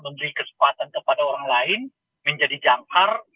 memberi kesempatan kepada orang lain menjadi jangkar